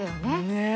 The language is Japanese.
ねえ。